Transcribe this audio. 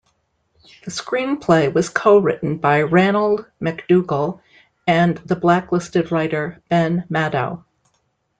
The screenplay was co-written by Ranald MacDougall and the blacklisted writer Ben Maddow.